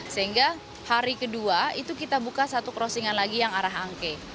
sehingga hari kedua itu kita buka satu crossingan lagi yang arah angke